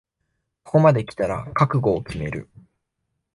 ここまできたら覚悟を決める